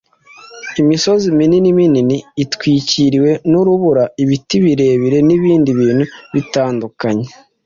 imisozi minini itwikiriwe n’urubura, ibiti birebire n’ibindi bintu bitandukanye